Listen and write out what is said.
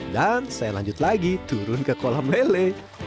dan saya lanjut lagi turun ke kolam lele